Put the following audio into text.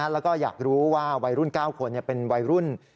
แล้วก็อยากรู้ว่าวัยรุ่น๙คนเป็นวัยรุ่น